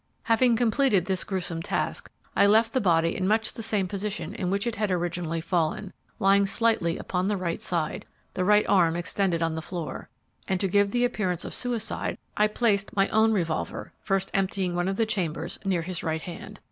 Having completed this gruesome task, I left the body in much the same position in which it had originally fallen, lying slightly upon the right side, the right arm extended on the floor, and, to give the appearance of suicide, I placed my own revolver first emptying one of the chambers near his right hand.